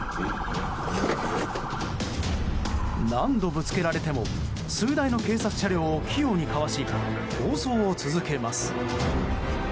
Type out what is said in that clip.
何度ぶつけられても数台の警察車両を器用にかわし暴走を続けます。